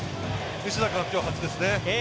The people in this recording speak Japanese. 西田君は今日初ですね。